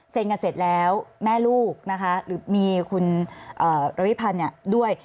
กันเสร็จแล้วแม่ลูกนะคะหรือมีคุณระวิพันธ์ด้วย